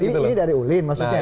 ini dari ulin maksudnya